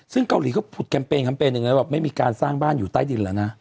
ซึ่งเกาหลีก็ผุดแคมเปญแคมเปญหนึ่งแล้วแบบไม่มีการสร้างบ้านอยู่ใต้ดินแล้วนะ